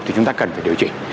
thì chúng ta cần phải điều chỉnh